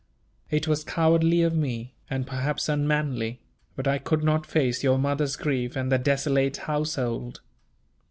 It was cowardly of me, and perhaps unmanly; but I could not face your mother's grief and the desolate household.